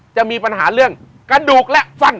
จะมีปัญหาเรื่องกระดูกและฟัน